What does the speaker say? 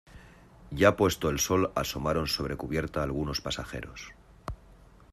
ya puesto el sol asomaron sobre cubierta algunos pasajeros.